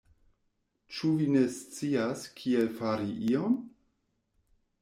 Ĉu vi ne scias kiel fari ion?